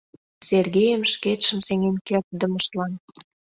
Сергейым шкетшым сеҥен кертдымыштлан.